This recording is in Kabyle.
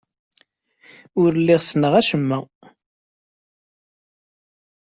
Ur lliɣ ssneɣ acemma.